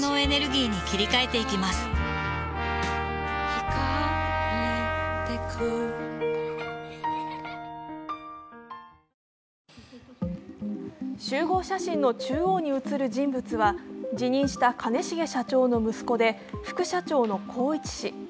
しかし、この会見を見た元店長は集合写真の中央に写る人物は辞任した兼重社長の息子で副社長の宏一氏。